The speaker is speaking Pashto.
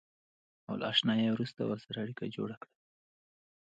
او له اشنایۍ وروسته ورسره اړیکه جوړه کړئ.